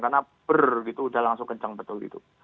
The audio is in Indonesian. karena berrrr gitu udah langsung kenceng betul gitu